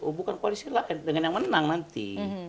oh bukan koalisi lain dengan yang menang nanti